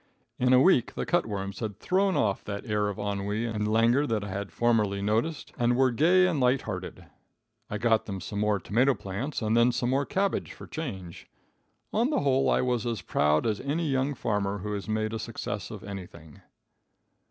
In a week the cut worms had thrown off that air of ennui and languor that I had I formerly noticed, and were gay and light hearted. I got them some more tomato plants, and then some more cabbage for change. On the whole I was as proud as any young farmer who has made a success of anything.